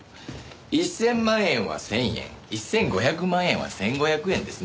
１０００万円は１０００円１５００万円は１５００円ですね。